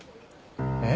えっ？